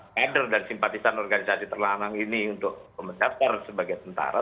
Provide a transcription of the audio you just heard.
pader dan simpatisan organisasi terlanang ini untuk pemerintah sebagian tentara